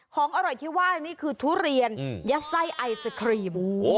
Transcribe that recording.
ของอร่อยที่ว่านี่คือทุเรียนยัดไส้ไอศครีม